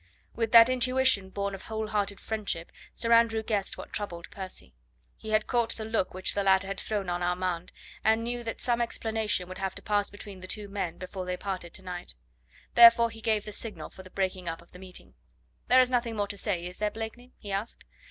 With that intuition born of whole hearted friendship Sir Andrew guessed what troubled Percy. He had caught the look which the latter had thrown on Armand, and knew that some explanation would have to pass between the two men before they parted to night. Therefore he gave the signal for the breaking up of the meeting. "There is nothing more to say, is there, Blakeney?" he asked.